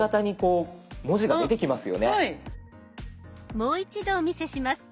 もう一度お見せします。